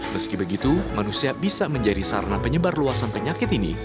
meski begitu manusia bisa menjadi sarana penyebar luasan penyakit ini